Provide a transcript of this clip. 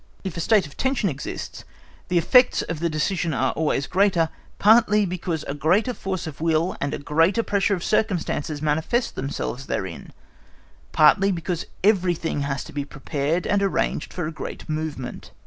If a state of tension exists, the effects of the decision are always greater partly because a greater force of will and a greater pressure of circumstances manifest themselves therein; partly because everything has been prepared and arranged for a great movement.